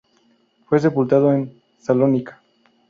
Fue sepultado en Salónica.